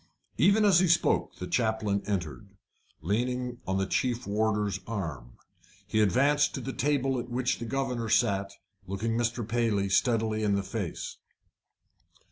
Even as he spoke the chaplain entered, leaning on the chief warder's arm. He advanced to the table at which the governor sat, looking Mr. Paley steadily in the face.